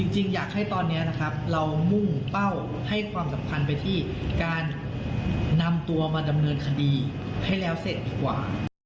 จริงอยากให้ตอนนี้นะครับเรามุ่งเป้าให้ความสำคัญไปที่การนำตัวมาดำเนินคดีให้แล้วเสร็จดีกว่า